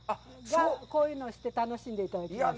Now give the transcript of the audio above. こういうのをして楽しんでいただいてます。